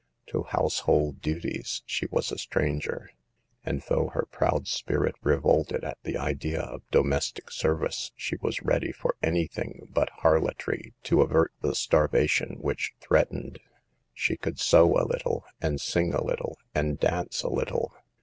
To household duties she was a stranger; and though her proud spirit revolted at the idea of domestic service, she was ready for any thing but har lotry to avert the starvation which threatened. She could sew a little, and sing a little and dance a little.